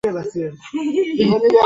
Jana tulikodishwa pikipiki